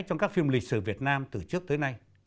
trong các phim lịch sử việt nam từ trước tới nay